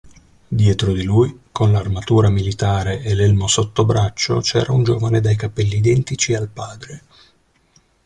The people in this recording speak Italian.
Dietro di lui, con l'armatura militare e l'elmo sottobraccio, c'era un giovane dai capelli identici al padre.